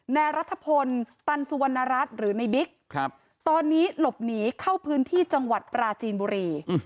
นายรัฐพลตันสุวรรณรัฐหรือในบิ๊กตอนนี้หลบหนีเข้าพื้นที่จังหวัดปราจีนบุรี